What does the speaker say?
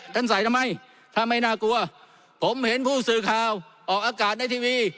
ใส่ทำไมถ้าไม่น่ากลัวผมเห็นผู้สื่อข่าวออกอากาศในทีวี